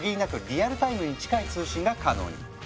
リアルタイムに近い通信が可能に。